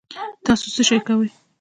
تاسو څه شئ کوی